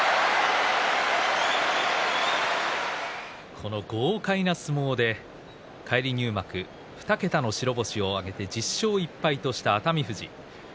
この豪快な相撲で返り入幕２桁の白星を挙げて１０勝１敗とした熱海富士。